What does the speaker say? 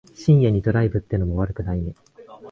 深夜にドライブってのも悪くないね。